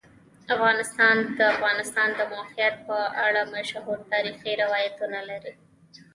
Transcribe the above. افغانستان د د افغانستان د موقعیت په اړه مشهور تاریخی روایتونه لري.